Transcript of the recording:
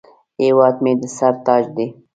هیواد مې د سر تاج دی